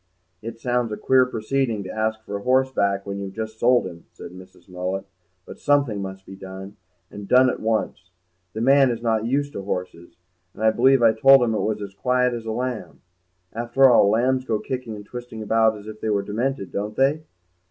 "It sounds a queer proceeding to ask for a horse back when you've just sold him," said Mrs. Mullet, "but something must be done, and done at once. The man is not used to horses, and I believe I told him it was as quiet as a lamb. After all, lambs go kicking and twisting about as if they were demented, don't they?"